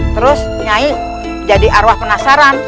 terus nyai jadi arwah penasaran